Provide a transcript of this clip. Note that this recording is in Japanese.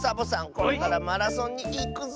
これからマラソンにいくぞ！